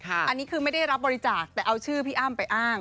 อันนี้คือไม่ได้รับบริจาคแต่เอาชื่อพี่อ้ำไปอ้าง